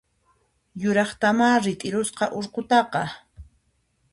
Yuraqtamá rit'irusqa urqutaqa!